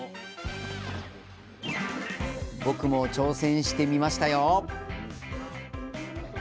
僕も挑戦してみましたよ！